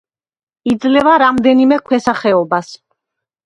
იძლევა რამდენიმე ქვესახეობას.